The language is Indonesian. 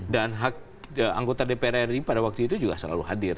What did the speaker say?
dan anggota dprri pada waktu itu juga selalu hadir